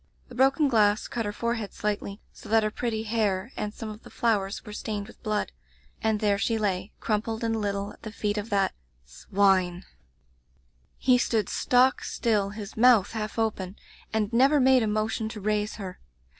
The broken glass cut her forehead slightly, so that her pretty hair and some of the flowers were stained with blood ; and there she lay, crumpled and little, at the feet of that — swine. . 824824 Digitized by LjOOQ IC Interventions "He stood stock still, his mouth half open, and never made a motion to raise her.